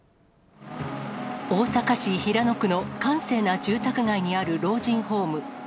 大阪市平野区の閑静な住宅街にある老人ホーム。